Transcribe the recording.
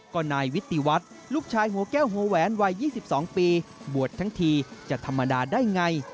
ก็นายวิติวัฒน์ลูกชายหัวแก้วหัวแหวนวัย๒๒ปีบวชทั้งทีจะธรรมดาได้ไง